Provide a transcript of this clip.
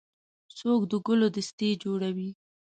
څوک د ګلو دستې جوړوي.